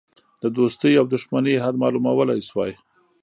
د دوستی او دوښمنی حد معلومولی شوای.